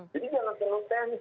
jadi jangan terlalu teknis